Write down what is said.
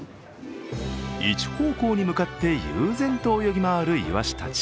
１方向に向かって悠然と泳ぎ回るいわしたち。